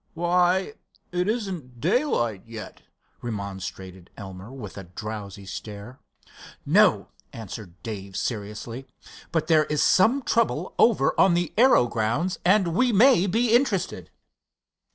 "Why, it isn't daylight yet," remonstrated Elmer, with a drowsy stare. "No," answered Dave, seriously. "But there is some trouble over on the aero grounds, and we may be interested."